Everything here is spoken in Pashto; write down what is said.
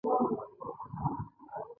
څوارلس سوه کاله د مخه.